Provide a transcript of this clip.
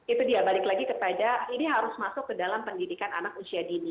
itu dia balik lagi kepada ini harus masuk ke dalam pendidikan anak usia dini